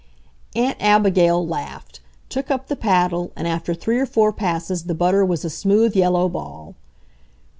Aunt Abigail laughed, took up the paddle, and after three or four passes the butter was a smooth, yellow ball.